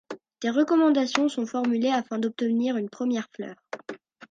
Des recommandations sont formulées afin d'obtenir une première fleur.